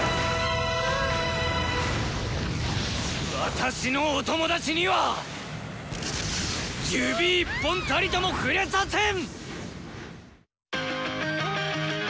私のおトモダチには指一本たりとも触れさせん！